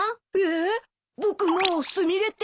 えっ！